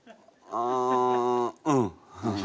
ああうん。